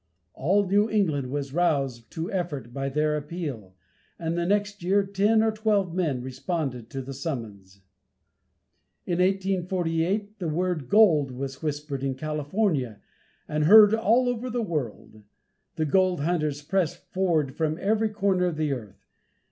All New England was roused to effort by their appeal, and the next year ten or twelve men responded to the summons. In 1848 the word "gold" was whispered in California and heard all over the world. The gold hunters pressed forward from every corner of the earth.